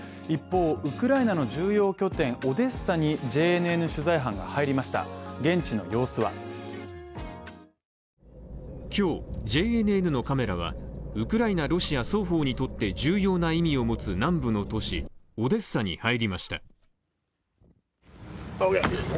一方、ウクライナの重要拠点オデッサにＪＮＮ取材班が入りました、現地の様子は今日、ＪＮＮのカメラは、ウクライナ、ロシア双方にとって重要な意味を持つ南部の都市、オデッサに入りました。